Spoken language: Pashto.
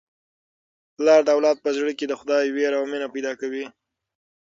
پلار د اولاد په زړه کي د خدای وېره او مینه پیدا کوي.